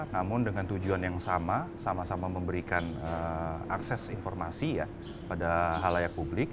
namun dengan tujuan yang sama sama memberikan akses informasi ya pada halayak publik